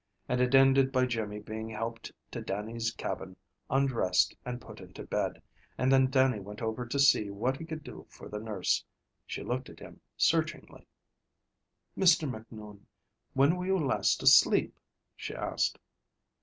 And it ended by Jimmy being helped to Dannie's cabin, undressed, and put into bed, and then Dannie went over to see what he could do for the nurse. She looked at him searchingly. "Mr. Macnoun, when were you last asleep?" she asked.